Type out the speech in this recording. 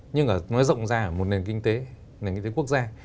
nhưng mà nói rộng ra ở một nền kinh tế nền kinh tế quốc gia